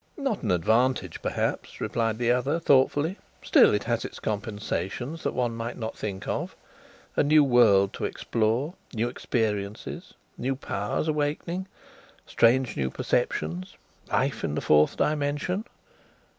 "Not an advantage perhaps," replied the other thoughtfully. "Still it has compensations that one might not think of. A new world to explore, new experiences, new powers awakening; strange new perceptions; life in the fourth dimension.